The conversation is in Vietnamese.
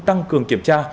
tăng cường kiểm tra